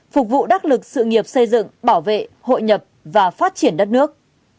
phục vụ đắc lực sự nghiệp xây dựng bảo vệ hội nhập và phát triển đất nước